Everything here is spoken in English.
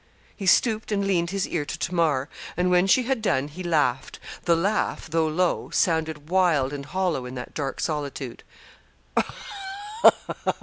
He stooped and leaned his ear to Tamar; and when she had done, he laughed. The laugh, though low, sounded wild and hollow in that dark solitude.